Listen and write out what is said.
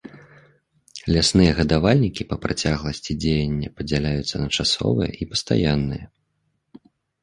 Лясныя гадавальнікі па працягласці дзеяння падзяляюцца на часовыя і пастаянныя.